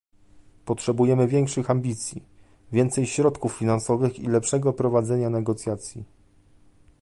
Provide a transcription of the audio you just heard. Potrzebujemy większych ambicji, więcej środków finansowych i lepszego prowadzenia negocjacji